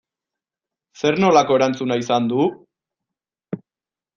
Zer nolako erantzuna izan du?